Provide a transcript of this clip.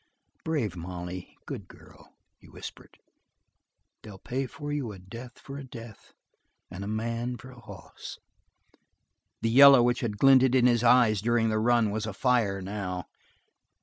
"Brave Molly, good girl," he whispered, "they'll pay for you a death for a death and a man for a hoss." The yellow which had glinted in his eyes during the run was afire now.